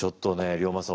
龍馬さん！